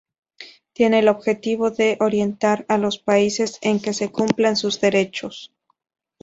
Tiene el objetivo de orientar a los países en que se cumplan sus derechos.